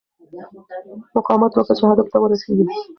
مقاومت وکړه چې هدف ته ورسېږې.